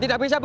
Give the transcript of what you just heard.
tidak bisa bu